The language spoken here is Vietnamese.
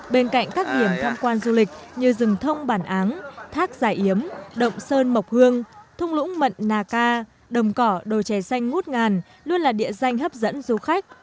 bên cạnh các điểm tham quan du lịch như rừng thông bản áng thác giải yếm động sơn mộc hương thung lũng mận nà ca đồng cỏ đồ chè xanh ngút ngàn luôn là địa danh hấp dẫn du khách